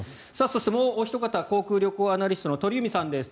そして、もうおひと方航空・旅行アナリストの鳥海さんです。